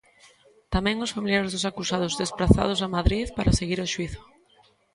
Tamén os familiares dos acusados, desprazados a Madrid para seguir o xuízo.